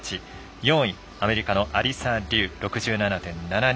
４位、アメリカのアリサ・リュウ６７．７２。